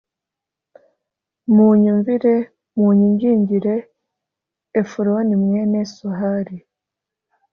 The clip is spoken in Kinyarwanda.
munyumvire munyingingire efuroni mwene sohari